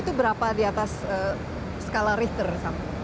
itu berapa di atas skala richter sama